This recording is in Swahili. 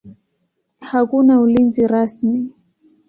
Hakuna ulinzi rasmi.